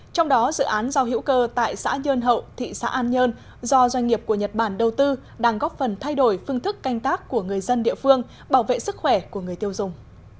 trong đó dự án rau hữu cơ tại xã nhơn hậu thị xã an nhơn do doanh nghiệp của nhật bản đầu tư đang góp phần thay đổi phương thức canh tác của người dân địa phương bảo vệ sức khỏe của người tiêu dùng